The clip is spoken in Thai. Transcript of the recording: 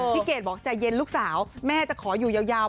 เกดบอกใจเย็นลูกสาวแม่จะขออยู่ยาว